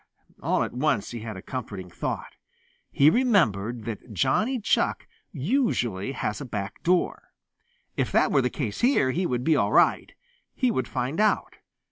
All at once he had a comforting thought. He remembered that Johnny Chuck usually has a back door. If that were the case here, he would be all right. He would find out.